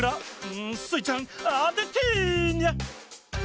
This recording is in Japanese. スイちゃんあててニャ！